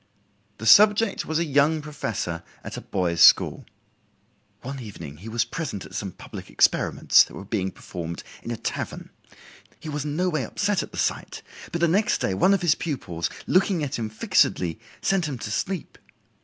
The subject was a young professor at a boys' school. "One evening he was present at some public experiments that were being performed in a tavern; he was in no way upset at the sight, but the next day one of his pupils, looking at him fixedly, sent him to sleep.